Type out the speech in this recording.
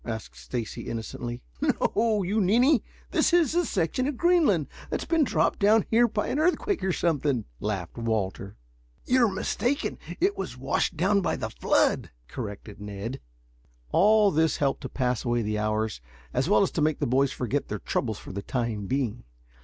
asked Stacy innocently. "No, you ninny; this is a section of Greenland that's been dropped down here by an earthquake or something," laughed Walter. "You're mistaken. It was washed down by the flood," corrected Ned. All this helped to pass away the hours as well as to make the boys forget their troubles for the time being.